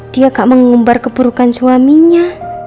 dia tak mengumbar keburukan suaminya